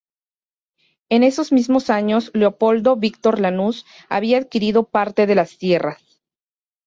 En esos mismos años Leopoldo Víctor Lanús había adquirido parte de las tierras.